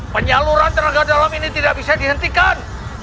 penyaluran tenaga dalam ini tidak bisa dihentikan